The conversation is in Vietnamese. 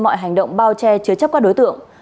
mọi hành động bao che chứa chấp các đối tượng